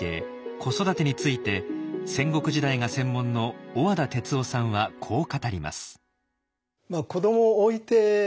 子育てについて戦国時代が専門の小和田哲男さんはこう語ります。